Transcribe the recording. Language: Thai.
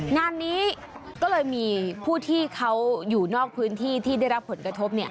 งานนี้ก็เลยมีผู้ที่เขาอยู่นอกพื้นที่ที่ได้รับผลกระทบ